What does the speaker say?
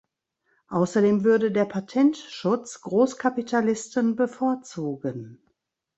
Ausserdem würde der Patentschutz Grosskapitalisten bevorzugen.